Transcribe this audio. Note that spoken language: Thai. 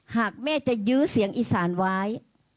หากแม่จะยื้อเสียงอีสานไว้